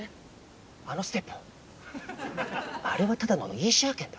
あのステップあれはただのイーシャー拳だ。